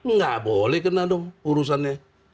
nggak boleh kena dong urusannya